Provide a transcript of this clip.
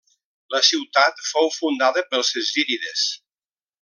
La ciutat fou fundada pels zírides.